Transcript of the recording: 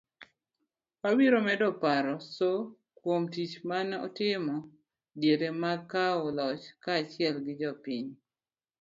wabiro medo paro Soo kuom tich manotimo diere mag kawo loch kaachiel gi jopiny